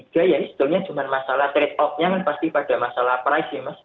tiga ya sebetulnya cuma masalah trade off nya kan pasti pada masalah price ya mas